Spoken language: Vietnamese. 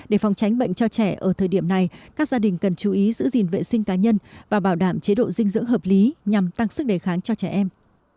để phòng tránh bệnh cho trẻ ở thời điểm này các gia đình cần chú ý giữ gìn vệ sinh cá nhân và bảo đảm chế độ dinh dưỡng hợp lý nhằm tăng sức đề kháng cho trẻ em